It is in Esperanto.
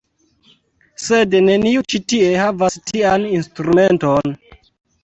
Sed neniu ĉi tie havas tian instrumenton.